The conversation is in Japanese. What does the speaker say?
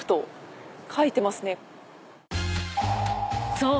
［そう。